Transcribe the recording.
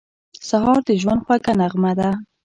سهار د ژوند خوږه نغمه ده.